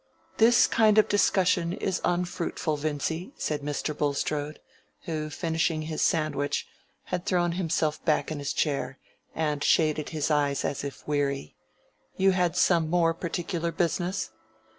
"This kind of discussion is unfruitful, Vincy," said Mr. Bulstrode, who, finishing his sandwich, had thrown himself back in his chair, and shaded his eyes as if weary. "You had some more particular business."